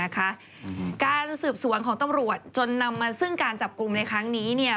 การสืบสวนของตำรวจจนนำมาซึ่งการจับกลุ่มในครั้งนี้